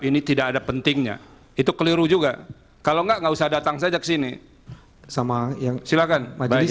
ini tidak ada pentingnya itu keliru juga kalau enggak enggak usah datang saja kesini sama yang silakan majelis